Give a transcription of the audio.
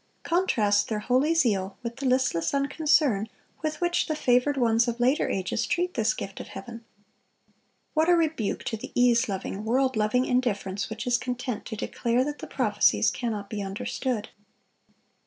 Contrast their holy zeal with the listless unconcern with which the favored ones of later ages treat this gift of heaven. What a rebuke to the ease loving, world loving indifference which is content to declare that the prophecies cannot be understood.